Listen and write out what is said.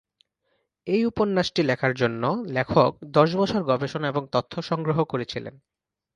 এই উপন্যাসটি লেখার জন্য লেখক দশ বছর গবেষণা এবং তথ্য সংগ্রহ করেছিলেন।